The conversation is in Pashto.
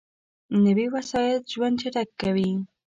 نوې وسایط ژوند چټک کوي